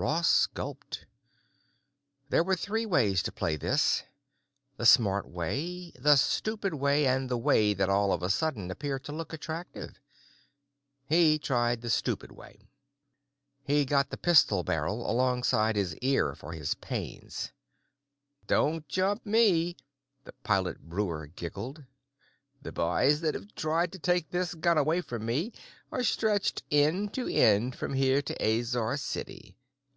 Ross gulped. There were three ways to play this, the smart way, the stupid way, and the way that all of a sudden began to look attractive. He tried the stupid way. He got the pistol barrel alongside his ear for his pains. "Don't jump me," Pilot Breuer giggled. "The boys that've tried to take this gun away from me are stretched end to end from here to Azor City.